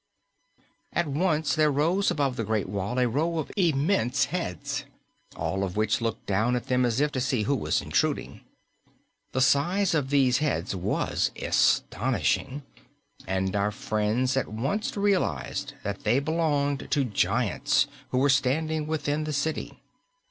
At once there rose above the great wall a row of immense heads, all of which looked down at them as if to see who was intruding. The size of these heads was astonishing, and our friends at once realized that they belonged to giants who were standing within the city.